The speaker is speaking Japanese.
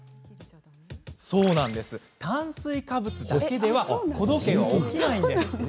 そうなんです、炭水化物だけでは子時計は起きないんです。